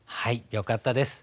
よかったです。